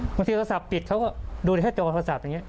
โทรศัพท์ปิดเขาก็ดูแค่จอโทรศัพท์อย่างนี้